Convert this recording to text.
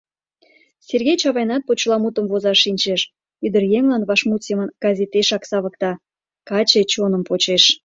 Сергей Чавайнат почеламутым возаш шинчеш, ӱдыръеҥлан вашмут семын газетешак савыкта, каче чоным почеш.